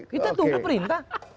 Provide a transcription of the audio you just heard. kita tunggu perintah